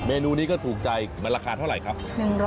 เนนูนี้ก็ถูกใจมันราคาเท่าไหร่ครับ